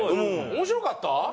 面白かった？